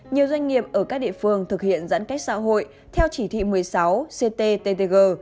nhiều doanh nghiệp ở các địa phương thực hiện giãn cách xã hội theo chỉ thị một mươi sáu cttg